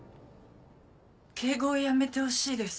敬語をやめてほしいです。